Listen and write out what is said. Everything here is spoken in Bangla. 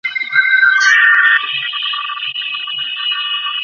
লক্ষ্মীপুরের কথিত গড়ফাদার পৌর মেয়র আবু তাহেরের নানা কর্মকাণ্ড তুলে ধরা হয়।